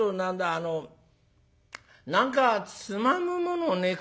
あの何かつまむものねえかな」。